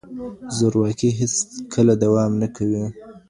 زورواکي هیڅکله دوام نه کوي.